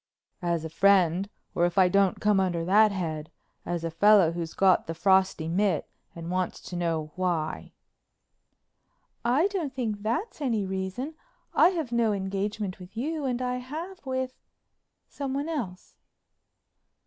"As a friend, or if I don't come under that head, as a fellow who's got the frosty mit and wants to know why." "I don't think that's any reason. I have no engagement with you and I have with—someone else."